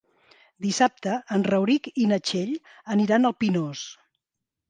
Dissabte en Rauric i na Txell aniran al Pinós.